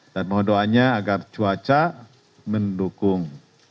dan mohon doanya agar cuaca mendukung